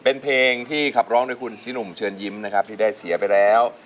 เป็นเพลงที่ขับร้องด้วยคุณซีหนุ่มเชิญยิ้มนะครับที่ได้เสียไปแล้ว